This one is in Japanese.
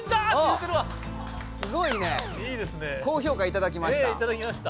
すごいね高評価いただきました。